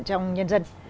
trong nhân dân